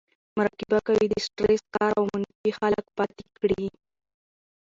مراقبه کوي , د سټرېس کار او منفي خلک پاتې کړي